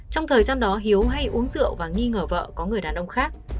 trong thời gian đó hiếu hay uống rượu và nghi ngờ vợ có người đàn ông khác